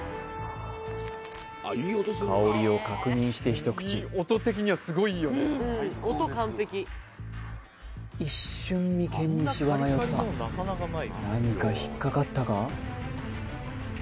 香りを確認して一口一瞬眉間にシワが寄った何か引っかかったか？